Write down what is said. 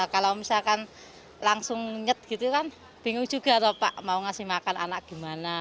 kalau misalkan langsung nyet gitu kan bingung juga lho pak mau ngasih makan anak gimana